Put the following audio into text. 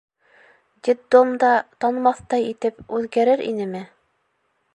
Детдом да танымаҫтай итеп үҙгәрер инеме?